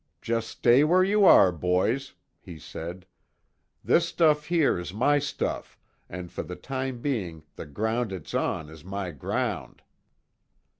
"Just stay where you are, boys," he said. "This stuff here is my stuff, and for the time being the ground it's on is my ground."